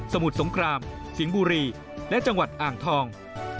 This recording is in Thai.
มุดสงครามสิงห์บุรีและจังหวัดอ่างทอง